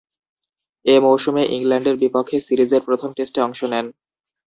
এ মৌসুমে ইংল্যান্ডের বিপক্ষে সিরিজের প্রথম টেস্টে অংশ নেন।